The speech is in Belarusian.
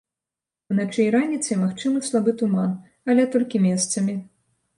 Уначы і раніцай магчымы слабы туман, але толькі месцамі.